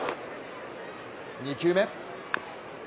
２球目。